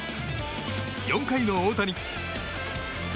４回の大谷。